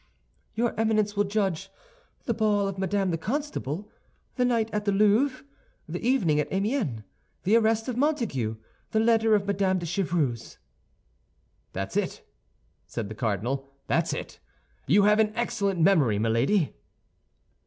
"Your Eminence will judge: the ball of Madame the Constable; the night at the Louvre; the evening at Amiens; the arrest of Montague; the letter of Madame de Chevreuse." "That's it," said the cardinal, "that's it. You have an excellent memory, Milady."